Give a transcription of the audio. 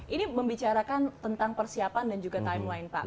ini membicarakan tentang persiapan dan juga timeline pak